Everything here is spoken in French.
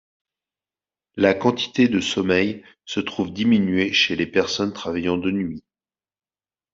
La quantité de sommeil se trouve diminuée chez les personnes travaillant de nuit.